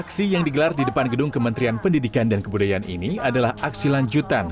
aksi yang digelar di depan gedung kementerian pendidikan dan kebudayaan ini adalah aksi lanjutan